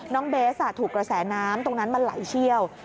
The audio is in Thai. เบสถูกกระแสน้ำตรงนั้นมันไหลเชี่ยว